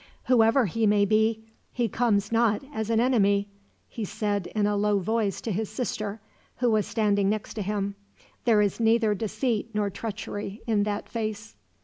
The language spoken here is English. "Whoever he may be, he comes not as an enemy," he said in a low voice to his sister, who was standing next to him. "There is neither deceit nor treachery in that face."